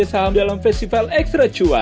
zak jagain bener ya